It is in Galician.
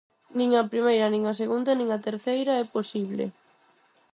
Nin a primeira nin a segunda nin a terceira é posible.